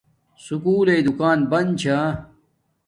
سکُول لݵ دوکان بن چھا کا